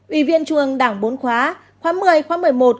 ủy viên trung ương đảng bốn khóa khóa một mươi khóa một mươi một